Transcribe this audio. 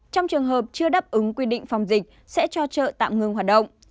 trong trường hợp chưa đáp ứng quy định phòng dịch sẽ cho chợ tạm ngừng hoạt động